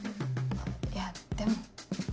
いやでも。